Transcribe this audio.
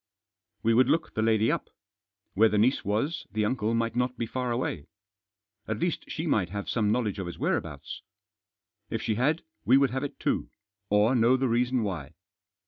We would look the lady up. Where the niece was the uncle might not be far away. At least she might have some knowledge of his whereabouts. If she had we would have it too, or know the reason why.